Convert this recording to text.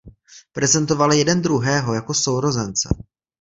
Prezentovali jeden druhého jako sourozence.